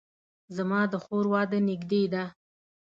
زما د خور واده نږدې ده